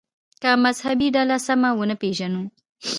که مذهبي ډله سمه ونه پېژنو.